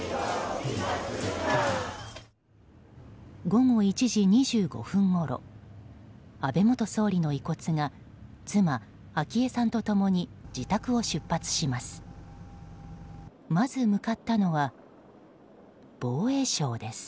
午後１時２５分ごろ安倍元総理の遺骨が妻・昭恵さんと共に自宅を出発します。